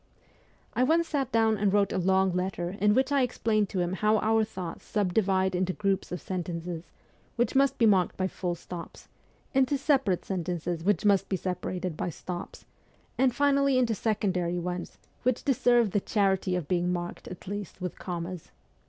I once sat down and wrote a long letter in which I explained to him how our thoughts subdivide into groups of sentences, which must be marked by full stops ; into separate sentences which must be separated by stops, and finally into secondary ones which deserve the charity X 266 MEMOIRS OF A REVOLUTIONIST of being marked at least with commas.